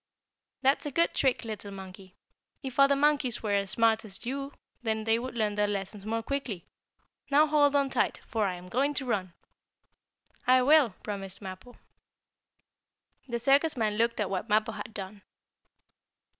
"That's a good trick, little monkey. If other monkeys were as smart as you they would learn their lessons more quickly. Now hold on tight, for I am going to run!" "I will!" promised Mappo. The circus man looked at what Mappo had done.